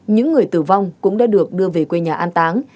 những người tử vong cũng đã được đưa về quê nhà an táng